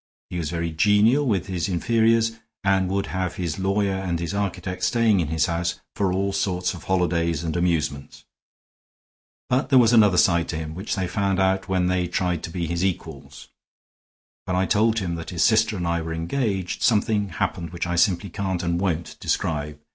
He was very genial with his inferiors, and would have his lawyer and his architect staying in his house for all sorts of holidays and amusements. But there was another side to him, which they found out when they tried to be his equals. When I told him that his sister and I were engaged, something happened which I simply can't and won't describe.